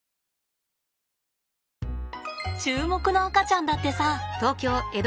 注目の赤ちゃんだってさ！